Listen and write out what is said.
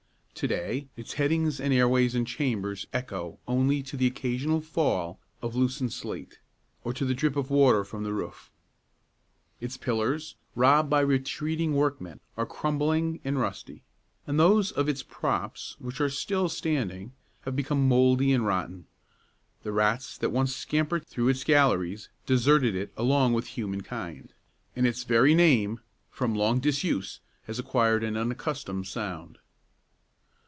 To day its headings and airways and chambers echo only to the occasional fall of loosened slate, or to the drip of water from the roof. Its pillars, robbed by retreating workmen, are crumbling and rusty, and those of its props which are still standing have become mouldy and rotten. The rats that once scampered through its galleries deserted it along with human kind, and its very name, from long disuse, has acquired an unaccustomed sound.